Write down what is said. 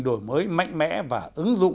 đổi mới mạnh mẽ và ứng dụng